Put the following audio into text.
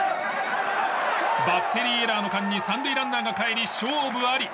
バッテリーエラーの間に３塁ランナーがかえり勝負あり。